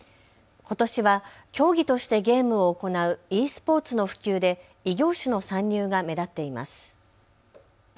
ことしは競技としてゲームを行うｅスポーツの普及で異業種の参入が目立っています。